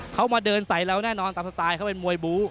เขามาเดินใส่เราแน่นอนตามสไตล์เขาเป็นมวยบู๊